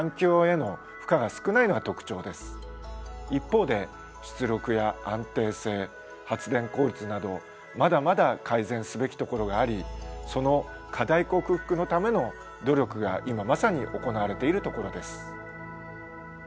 一方で出力や安定性発電効率などまだまだ改善すべきところがありその課題克服のための努力が今まさに行われているところです。